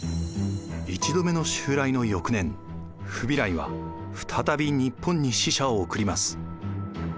１度目の襲来の翌年フビライは再び日本に使者を送ります。